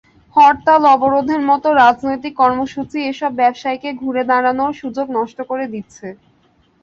হরতাল-অবরোধের মতো রাজনৈতিক কর্মসূচি এসব ব্যবসায়ীকে ঘুরে দাঁড়ানোর সুযোগ নষ্ট করে দিচ্ছে।